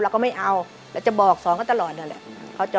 ก็ไม่เอาเราจะบอกสอนเขาตลอดนั่นแหละ